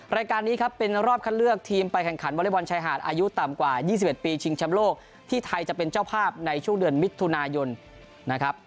รายการนี้ครับเป็นรอบคัดเลือกทีมไปแข่งขันวอเล็กบอลชายหาดอายุต่ำกว่า๒๑ปีชิงแชมป์โลกที่ไทยจะเป็นเจ้าภาพในช่วงเดือนมิถุนายนนะครับ